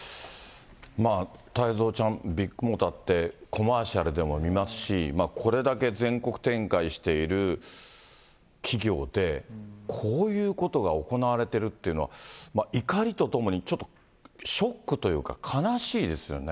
太蔵ちゃん、ビッグモーターって、コマーシャルでも見ますし、これだけ全国展開している企業で、こういうことが行われてるっていうのは、怒りとともに、ちょっとショックというか、悲しいですよね。